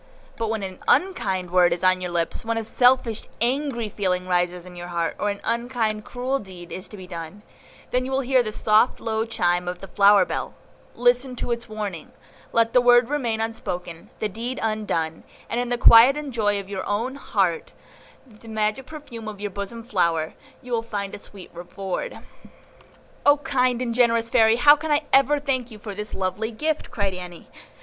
But when an unkind word is on your lips, when a selfish, angry feeling rises in your heart, or an unkind, cruel deed is to be done, then will you hear the soft, low chime of the flower bell; listen to its warning, let the word remain unspoken, the deed undone, and in the quiet joy of your own heart, and the magic perfume of your bosom flower, you will find a sweet reward." "O kind and generous Fairy, how can I ever thank you for this lovely gift!" cried Annie.